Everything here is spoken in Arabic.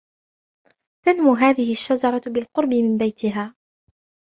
تنمو هذه الشجرة بالقرب من بيتها.